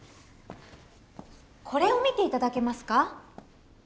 これを見て頂けますか？